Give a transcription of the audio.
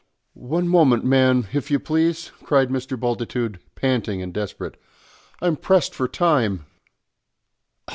"One moment, ma'am, if you please," cried Mr. Bultitude, panting and desperate. "I'm pressed for time."